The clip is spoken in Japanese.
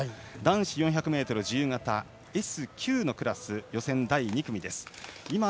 男子４００ｍ自由形Ｓ９のクラス予選第２組です。